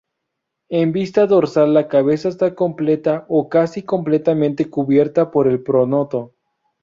En vista dorsal la cabeza está completa o casi completamente cubierta por el pronoto.